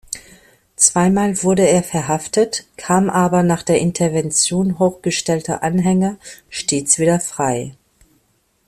Zweimal wurde er verhaftet, kam aber nach der Intervention hochgestellter Anhänger stets wieder frei.